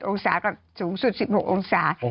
องศากับสูงสุด๑๖องศา